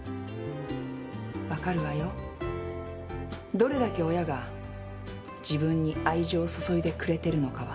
どれだけ親が自分に愛情を注いでくれてるのかは。